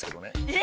え！